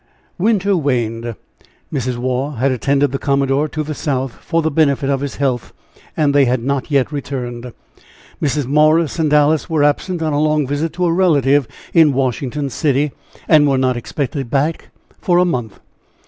Winter waned. Mrs. Waugh had attended the commodore to the South, for the benefit of his health, and they had not yet returned. Mrs. Morris and Alice were absent on a long visit to a relative in Washington City, and were not expected back for a month.